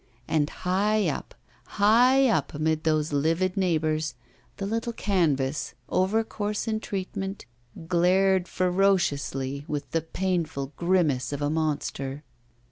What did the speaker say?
And high up, high up, amid those livid neighbours, the little canvas, over coarse in treatment, glared ferociously with the painful grimace of a monster.